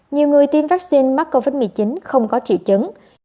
nhiều người tiêm vaccine mắc covid một mươi chín không có triệu chứng